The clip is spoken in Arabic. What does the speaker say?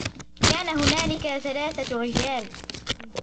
كان هنالك ثلاثة رجال.